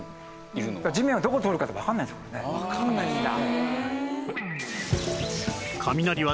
わからないんだ。